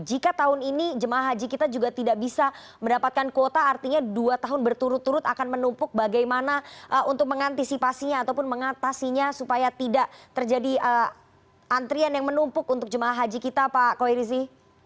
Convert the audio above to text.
jika tahun ini jemaah haji kita juga tidak bisa mendapatkan kuota artinya dua tahun berturut turut akan menumpuk bagaimana untuk mengantisipasinya ataupun mengatasinya supaya tidak terjadi antrian yang menumpuk untuk jemaah haji kita pak koirizi